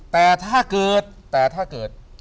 แต่ถ้าเกิด